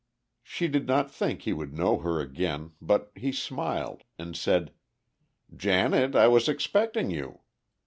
She did not think he would know her again, but he smiled and said, "Janet, I was expecting you."